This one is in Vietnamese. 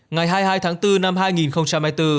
ngày hai mươi hai tháng bốn năm hai nghìn hai mươi bốn